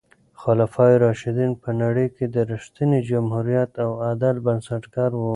خلفای راشدین په نړۍ کې د رښتیني جمهوریت او عدل بنسټګر وو.